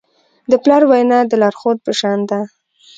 د پلار وینا د لارښود په شان ده.